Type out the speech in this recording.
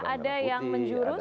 ada yang menjurus pelakunya